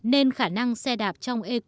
nên khả năng xe đạp sẽ không được dùng